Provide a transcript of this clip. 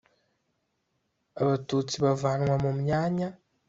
Abatutsi bavanwa mu myanya